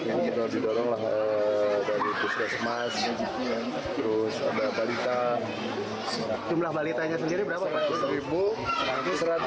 ini sudah didorong dari puskesmas terus ada balita